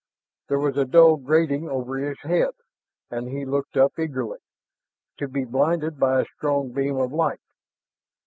There was a dull grating over his head, and he looked up eagerly to be blinded by a strong beam of light.